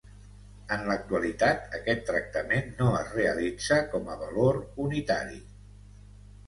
En l'actualitat aquest tractament no es realitza com a valor unitari.